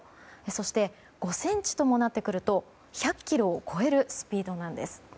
そして５ｃｍともなってくると１００キロを超えるスピードなんです。